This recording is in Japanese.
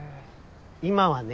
今はね。